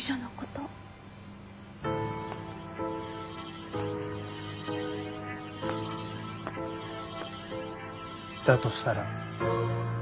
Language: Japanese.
としたら？